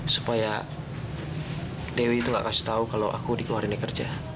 supaya dewi itu nggak kasih tahu kalau aku dikeluarin dari kerja